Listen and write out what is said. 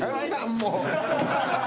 もう。